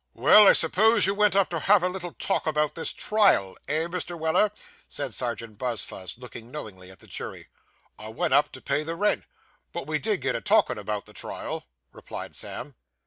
'Well; I suppose you went up to have a little talk about this trial eh, Mr. Weller?' said Serjeant Buzfuz, looking knowingly at the jury. 'I went up to pay the rent; but we did get a talkin' about the trial,' replied Sam.